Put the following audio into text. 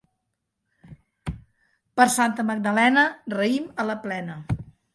Per Santa Magdalena, raïm a la plena.